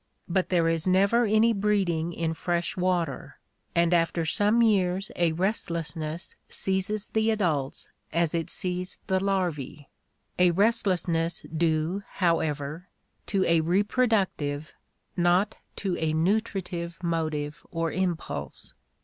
But there is never any breeding in fresh water, and after some years a restlessness seizes the adults as it seized the larvae — a restlessness due, however, to a reproductive, not to a nutritive motive or impulse.